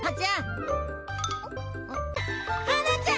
はなちゃん